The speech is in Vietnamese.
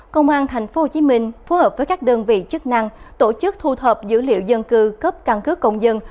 công an tp hcm phối hợp với các đơn vị chức năng tổ chức thu thập dữ liệu dân cư cấp căn cứ công dân